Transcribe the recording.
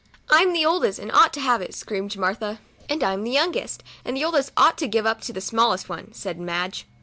" I'm the oldest, and ought to have it," screamed Martha. " And I'm the youngest, and the oldest ought to give up to the smallest one," said Madge.